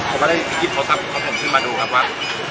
เขาก็ได้ยิบโทรศัพท์ก็ผมต้องไปดูครับว่า